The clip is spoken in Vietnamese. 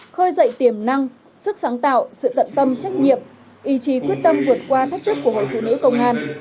khơi dậy tiềm năng sức sáng tạo sự tận tâm trách nhiệm ý chí quyết tâm vượt qua thách thức của hội phụ nữ công an